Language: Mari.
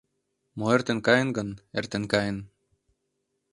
Мо эртен каен гын, эртен каен.